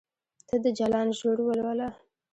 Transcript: ته د جلان ژور ولوله